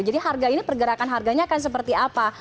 jadi harga ini pergerakan harganya akan seperti apa